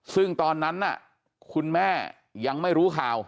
ซึ่งตอนนั้นคุณแม่ยังไม่รู้ข่าว